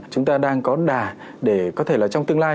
chúng ta đang có đà để có thể là trong tương lai